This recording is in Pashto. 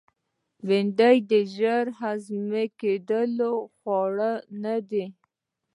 بېنډۍ د ژر هضم کېدونکو خوړو نه ده